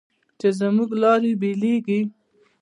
چې زموږ لارې بېلېږي